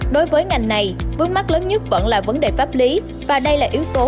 đối với ngành này vướng mắt lớn nhất vẫn là vấn đề pháp lý và đây là yếu tố